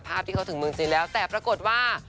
ภาพที่เขาถึงเมืองจีนแล้วแต่ปรากฏว่า